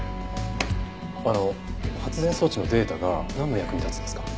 あの発電装置のデータがなんの役に立つんですか？